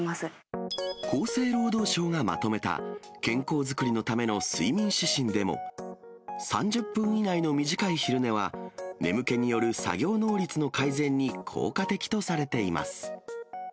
厚生労働省がまとめた、健康づくりのための睡眠指針でも、３０分以内の短い昼寝は、眠気による作業能率の改善に効果的とされています。